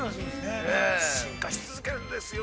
◆進化し続けるんですよ。